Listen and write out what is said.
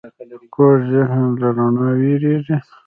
کوږ ذهن له رڼا وېرېږي